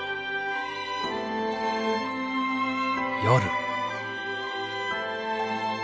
夜。